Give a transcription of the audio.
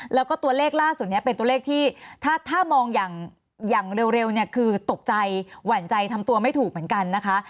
แล้วก็ตัวเลขล่าสุดนี้เป็นตัวเลขที่ถ้ามองอย่างเร็วเนี่ยคือตกใจหวั่นใจทำตัวไม่ถูกเหมือนกันนะคะ